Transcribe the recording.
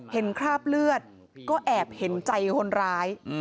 คราบเลือดก็แอบเห็นใจคนร้าย